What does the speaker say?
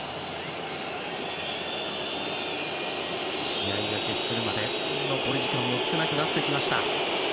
試合が決するまで残り時間も少なくなってきました。